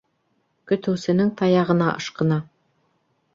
Көтөүсенең таяғына ышҡына.